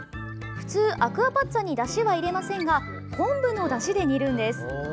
普通、アクアパッツァにだしは入れませんが昆布のだしで煮るんです。